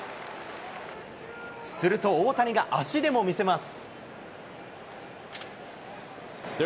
すると大谷が足でも見せます。